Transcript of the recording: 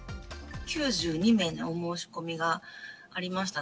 ９２名のお申し込みがありました。